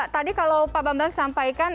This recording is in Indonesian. tadi kalau pak bambang sampaikan